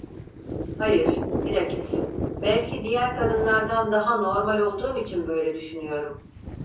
Hayır, bilakis, belki diğer kadınlardan daha normal olduğum için böyle düşünüyorum.